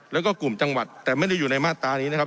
แล้วก็กลุ่มจังหวัดแต่ไม่ได้อยู่ในมาตรานี้นะครับ